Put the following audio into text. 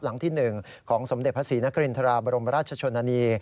หลังที่๑ของสมเด็จพระศรีนครินทราบรมราชชนนานี